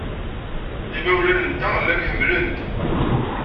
Imawlan-nteɣ llan ḥemmlen-t.